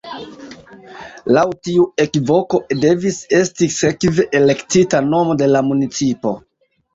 Laŭ tiu ekvoko devis esti sekve elektita nomo de la municipo.